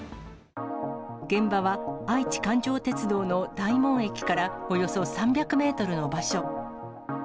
現場は愛知環状鉄道の大門駅からおよそ３００メートルの場所。